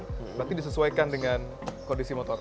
berarti disesuaikan dengan kondisi motor